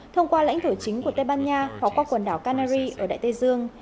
thông qua lãnh thổ chính của tây ban nha hoặc qua quần đảo canary ở đại tây dương